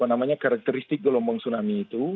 karena karena karakteristik gelombang tsunami itu